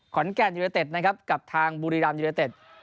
ขอนแก่หนอยเด็ดเกร็บทางบูรีดามอยู่ในเด็ด